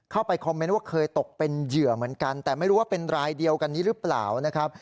เข้าไปคอมเมนต์ว่าเคยตกเป็นเหยื่อเหมือนกันแต่ไม่รู้ว่าเป็นรายเดียวกันนี้หรือเปล่านะครับ